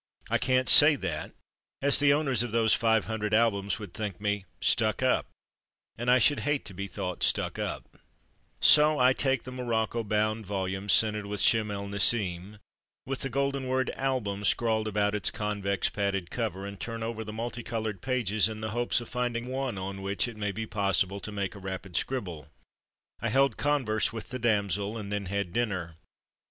I Can't say that, as the owners of those five hundred albums would think me "stuck 82 From Mud to Mufti up/' and I should hate to be thought "stuck up/' So I take the morocco bound volume scented with Shem el Nessim, with the golden word "Album'' scrawled about its convex padded cover, and turn over the multi coloured pages, in the hopes of finding one on which it may be possible to make a rapid scribble. I held converse with the damsel and then had dinner.